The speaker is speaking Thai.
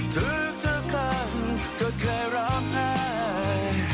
ถึงเธอกันก็ค่อยร้องไห้